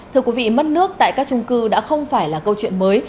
thưa quý vị mất nước tại các trung cư đã không phải là câu chuyện mới